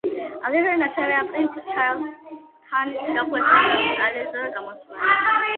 აგრეთვე ნაჩვენებია პრინც ჩარლზთან შეხვედრა და სატელევიზიო გამოსვლები.